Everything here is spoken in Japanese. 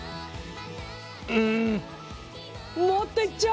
んもっといっちゃお！